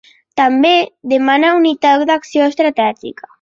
També demana unitat d’acció estratègica.